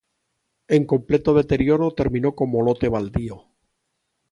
En completo deterioro, terminó como lote baldío.